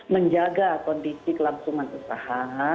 menjaga kondisi kelangkuman usaha